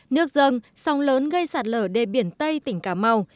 nước dâng sông lớn gây sạt lở đê biển tây tỉnh cà mau